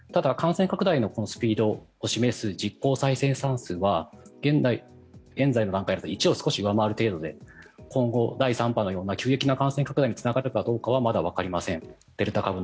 ただ、感染拡大のスピードを示す実効再生産数は現在の段階だと１を少し上回る程度で今後、第３波のような急激な感染拡大につながるかはわかりません。